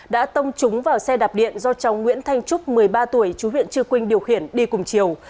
đã tông trúng vào xe đạp điện do cháu nguyễn thanh trúc một mươi ba tuổi chú huyện chư quynh điều khiển đi cùng chiều